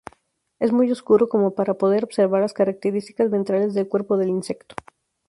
Es muy oscuro como para poder observar las características ventrales del cuerpo del insecto.